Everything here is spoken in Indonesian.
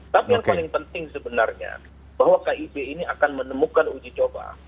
tapi yang paling penting sebenarnya bahwa kib ini akan menemukan uji coba